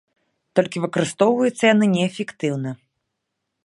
Толькі выкарыстоўваюцца яны неэфектыўна.